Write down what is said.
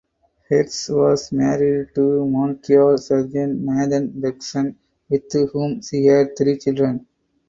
Hertz was married to Montreal surgeon Nathan Berkson with whom she had three children.